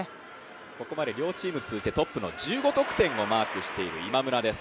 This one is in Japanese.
ここまで両チーム通じてトップの１５得点マークしている今村です。